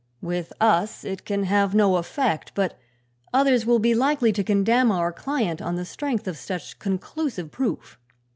"With us it can have no effect, but others will be likely to condemn our client on the strength of such conclusive proof."